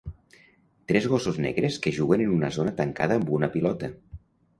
Tres gossos negres que juguen en una zona tancada amb una pilota.